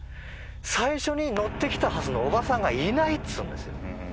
最初に乗ってきたはずのおばさんがいないっつうんです。